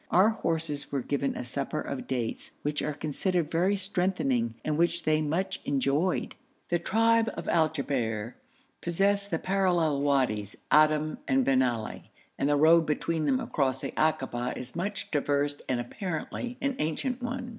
Our horses were given a supper of dates, which are considered very strengthening, and which they much enjoyed. The tribe of Al Jabber possess the parallel Wadis Adim and Bin Ali, and the road between them across the akaba is much traversed and apparently an ancient one.